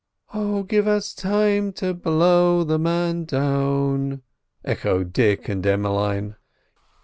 "Oh, give us time to blow the man down!" echoed Dick and Emmeline.